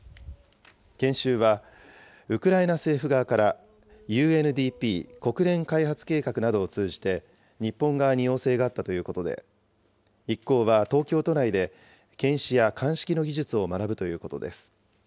研修はウクライナ政府側から、ＵＮＤＰ・国連開発計画などを通じて、日本側に要請があったということで、一行は東京都内で検視や鑑識の技術を学ぶということです。